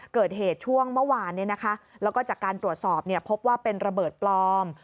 เกิดเหตุช่วงเมื่อวานแล้วก็จากการตรวจสอบพบว่าเป็นระเบิดปลอม